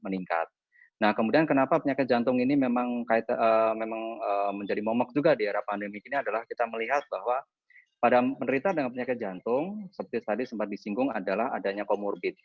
nah kemudian kenapa penyakit jantung ini memang menjadi momok juga di era pandemi ini adalah kita melihat bahwa pada menderita dengan penyakit jantung seperti tadi sempat disinggung adalah adanya comorbid